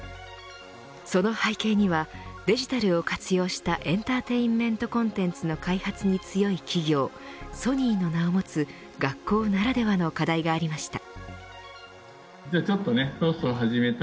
その背景にはデジタルを活用したエンターテインメントコンテンツの開発に強い企業ソニーの名を持つ学校ならではの課題がありました。